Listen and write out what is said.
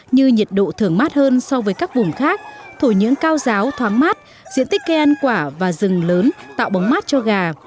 như nhiệt độ thường mát hơn so với các vùng khác thổi nhưỡng cao giáo thoáng mát diện tích cây ăn quả và rừng lớn tạo bóng mát cho gà